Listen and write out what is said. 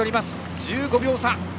１５秒差。